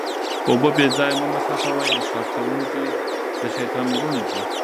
اوبه بې ځایه مه مصرفوئ، اسراف کونکي د شيطان وروڼه دي